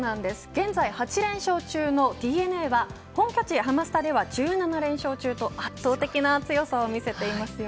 現在８連勝中のＤｅＮＡは本拠地ハマスタでは１７連勝中と圧倒的な強さを見せています。